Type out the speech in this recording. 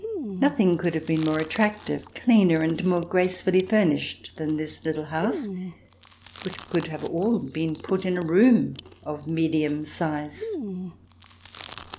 Nothing could have been more attractive, cleaner and more gracefully furnished than this little house which could have all been put in a room of medium size.